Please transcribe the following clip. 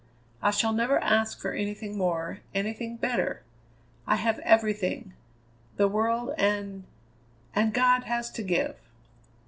I shall never ask for anything more, anything better. I have everything the world and and God, has to give."